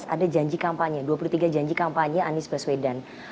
ada janji kampanye dua puluh tiga janji kampanye anies baswedan